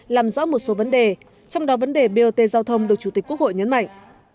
làm rõ một số vấn đề trong đó vấn đề bot giao thông được chủ tịch quốc hội nhấn mạnh